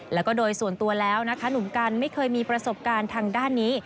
แล้วก็โดยส่วนตัวแล้วนะคะหนุ่มกันไม่เคยมีประสบการณ์ทางด้านนี้